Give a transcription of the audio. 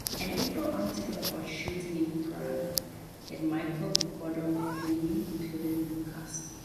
An April article about shooting in Prague had Michael Gandolfini included in the cast.